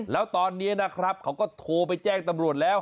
แล้วตอนนี้นะครับเขาก็โทรไปแจ้งตำรวจแล้ว